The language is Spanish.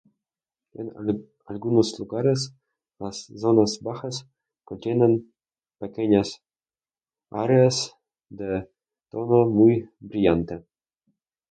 En algunos lugares, las zonas bajas contienen pequeñas áreas de tono muy brillante.